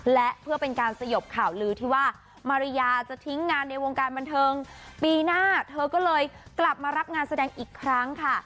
และเพื่อเป็นการสยบข่าวลือที่ว่ามาริยาจะทิ้งงานในวงการบันเทิงปีหน้าเธอก็เลยกลับมารับงานแสดงอีกครั้งค่ะ